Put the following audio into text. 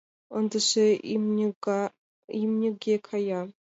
Ындыже имньыге кая.